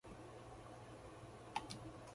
福島県小野町